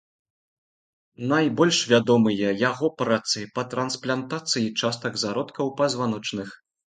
Найбольш вядомыя яго працы па трансплантацыі частак зародкаў пазваночных.